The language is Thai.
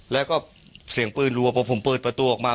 แล้วก็เสียงปืนรัวพอผมเปิดประตูออกมา